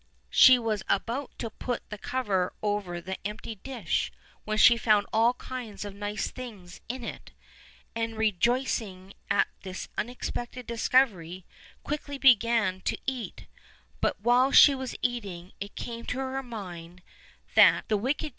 She was about to put the cover over the empty dish when she found all kinds of nice things in it, and, rejoicing at this unexpected discovery, quickly began to eat; but while she was eauup it came Into her mind that 230 OLD, OLD FAIRY TALES.